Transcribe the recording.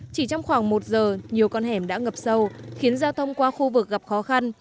chỉ trong khoảng một giờ nhiều con hẻm đã ngập sâu khiến giao thông qua khu vực gặp khó khăn